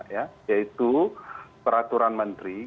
yaitu peraturan menteri